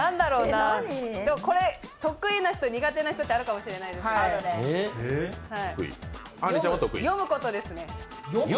これ、得意な人、苦手な人ってあるかもしれないですね。